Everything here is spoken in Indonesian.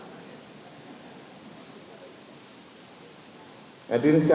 saya juga minta selfie